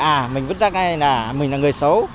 à mình vứt giác ngay là mình là người xấu